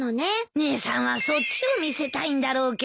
姉さんはそっちを見せたいんだろうけど。